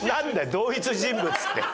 「同一人物」って。